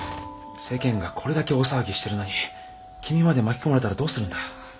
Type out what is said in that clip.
世間がこれだけ大騒ぎしてるのに君まで巻き込まれたらどうするんだ。